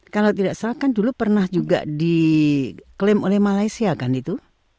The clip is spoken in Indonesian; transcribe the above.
kalau tidak salah kan dulu pernah juga diklaim oleh malaysia kan itu